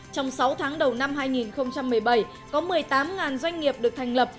trong sáu tháng đầu năm hai nghìn một mươi bảy có một mươi tám doanh nghiệp được thành lập